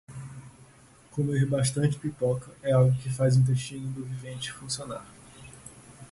Comer bastante pipoca é algo que faz o intestino do vivente funcionar.